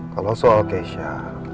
kalau soal kesha